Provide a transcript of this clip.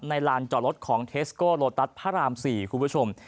ลานจอดรถของเทสโกโลตัสพระราม๔คุณผู้ชม